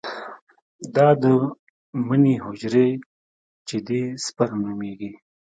دا د مني حجرې چې دي سپرم نومېږي.